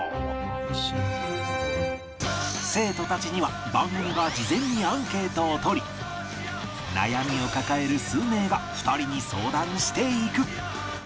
生徒たちには番組が事前にアンケートを取り悩みを抱える数名が２人に相談していく